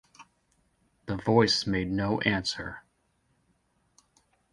The Voice made no answer.